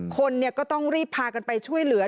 คนก็ต้องรีบพากันไปช่วยเหลือ